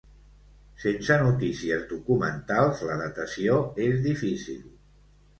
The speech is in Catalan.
Sense notícies documentals la datació és difícil.